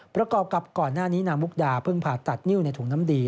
ประกอบกับก่อนหน้านี้นางมุกดาเพิ่งผ่าตัดนิ้วในถุงน้ำดี